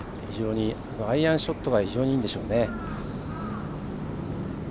アイアンショットが非常にいいんでしょうね。